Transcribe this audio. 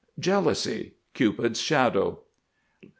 JEALOUSY. Cupid's shadow.